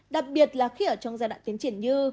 đặc biệt là khi ở trong giai đoạn tiến triển như